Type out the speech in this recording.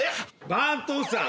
番頭さん。